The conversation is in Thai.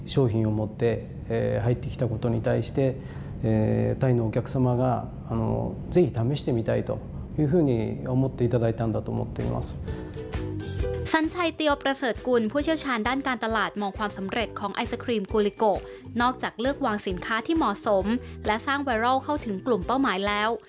สัญชัยเตียวประเสริฐกุลผู้เชี่ยวชาญด้านการตลาดมองความสำเร็จของไอศครีมโกลิโกนอกจากเลือกวางสินค้าที่เหมาะสมและสร้างไวรัลเข้าถึงกลุ่มเป้าหมายแล้ว